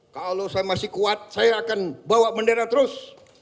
kalau saya masih kuat saya akan bawa bendera terus